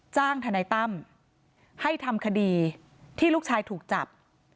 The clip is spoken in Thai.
ทนายตั้มให้ทำคดีที่ลูกชายถูกจับ